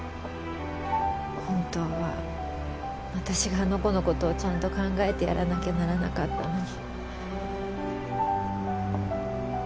本当は私があの子の事をちゃんと考えてやらなきゃならなかったのに。